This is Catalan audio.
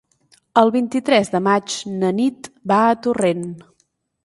El vint-i-tres de maig na Nit va a Torrent.